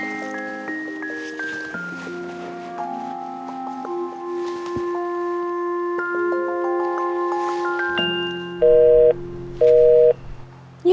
ya sudah pak